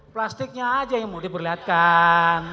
plastiknya aja yang mau diperlihatkan